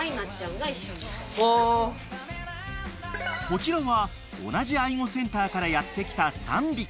［こちらは同じ愛護センターからやって来た３匹］